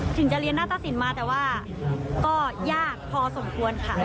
ถึงจะเรียนหน้าตสินมาแต่ว่าก็ยากพอสมควรค่ะ